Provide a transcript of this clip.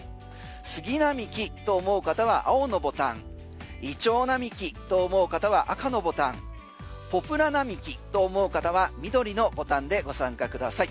杉並木と思う方は青のボタンイチョウ並木と思う方は赤のボタンポプラ並木と思う方は緑のボタンでご参加ください。